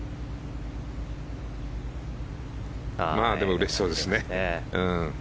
うれしそうですね。